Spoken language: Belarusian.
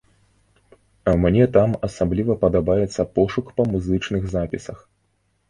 Мне там асабліва падабаецца пошук па музычных запісах.